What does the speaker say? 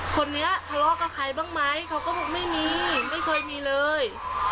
คนนี้ทะเลาะกับใครบ้างไหมเขาก็บอกไม่มีไม่เคยมีเลย